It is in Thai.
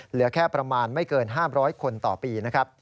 เหลือแค่ประมาณไม่เกิน๕๐๐คนต่อปีนะครับ